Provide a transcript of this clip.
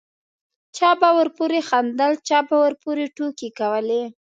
چا به ورپورې خندل چا به ورپورې ټوکې کولې.